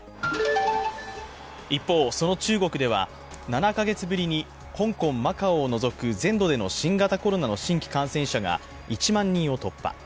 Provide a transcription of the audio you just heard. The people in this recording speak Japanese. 一方、その中国では７か月ぶりに香港、マカオを除く全土での新型コロナの新規感染者が１万人を突破。